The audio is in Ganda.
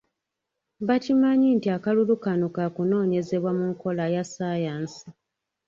Bakimanyi nti akalulu kano kakunoonyezebwa mu nkola ya ssayansi.